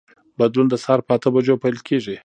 بدلون د سهار په اته بجو پیل کېږي.